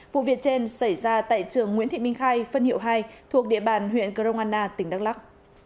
vụ việc trên xảy ra tại trường nguyễn thị minh khai phân hiệu hai thuộc địa bàn huyện cronwana tỉnh đắk lắc